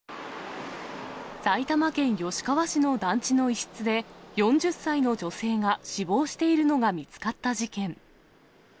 埼玉県吉川市の団地の一室で、４０歳の女性が死亡しているのが見つかった事件。